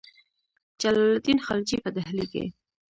جلال الدین خلجي په ډهلي کې.